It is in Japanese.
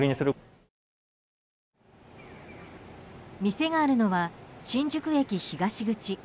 店があるのは新宿駅東口。